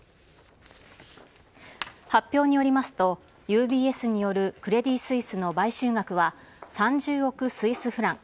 発表によりますと、ＵＢＳによるクレディ・スイスの買収額は、３０億スイスフラン